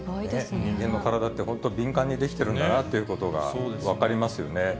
人間の体って本当敏感にできてるんだなっていうことが分かりますよね。